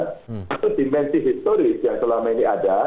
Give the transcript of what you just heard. itu dimensi historis yang selama ini ada